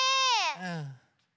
うん。